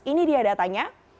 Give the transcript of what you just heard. ini dia datanya